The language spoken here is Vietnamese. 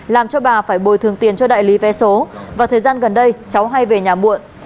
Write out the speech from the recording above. làm cho bà phải bồi thường tiền cho đại lý vé số và thời gian gần đây cháu hay về nhà muộn